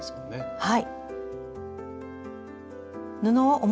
はい。